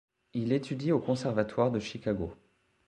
Il étudie au Conservatoire de Chicago.